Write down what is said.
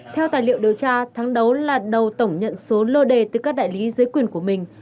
theo tài liệu điều tra thắng đấu là đầu tổng nhận số lô đề từ các đại lý dưới quyền của mình